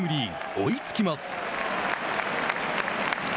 追いつきます。